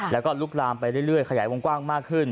แล้วก็ลุกลามไปเรื่อยขยายวงกว้างมากขึ้น